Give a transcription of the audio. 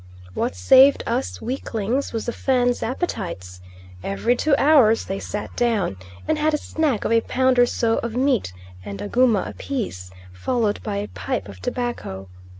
What saved us weaklings was the Fans' appetites; every two hours they sat down, and had a snack of a pound or so of meat and aguma apiece, followed by a pipe of tobacco.